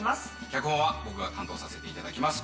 脚本は、僕が担当させていただきます。